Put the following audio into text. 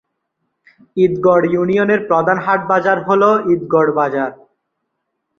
ঈদগড় ইউনিয়নের প্রধান হাট-বাজার হল ঈদগড় বাজার।